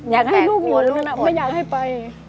อยากให้ลูกอยู่ตรงนั้นไม่อยากให้ไป